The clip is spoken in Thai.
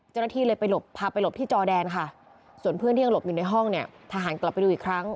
เจ้าหน้าที่เลยไปหลบพาไปหลบที่จอแดนค่ะส่วนเพื่อนที่ยังหลบอยู่ในห้องเนี่ยทหารกลับไปดูอีกครั้ง